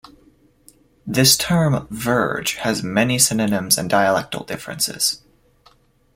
This term "verge" has many synonyms and dialectal differences.